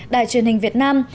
đài truyền hình việt nam